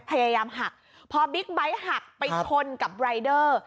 พยายามหักพอบิ๊กไบท์หักไปชนกับรายเดอร์